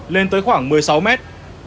nên tới khoảng một mươi sáu mét